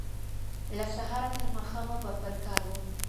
له سهاره ترماښامه به پر کار و